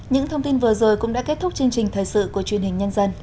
những thông tin vừa rồi cũng đã kết thúc chương trình thời sự của truyền hình nhân dân